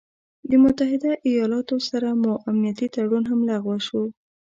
د متحده ايالاتو سره مو امنيتي تړون هم لغوه شو